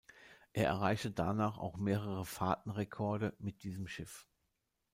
Er erreichte danach auch mehrere Fahrten-Rekorde mit diesem Schiff.